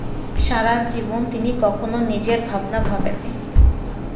সারা জীবন তিনি কখনও নিজের ভাবনা ভাবেননি।